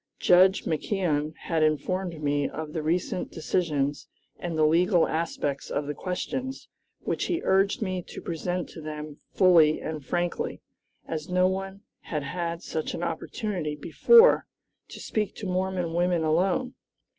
Judge McKeon had informed me of the recent decisions and the legal aspects of the questions, which he urged me to present to them fully and frankly, as no one had had such an opportunity before to speak to Mormon women alone.